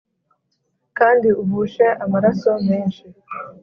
Kandi uvushe amaraso menshi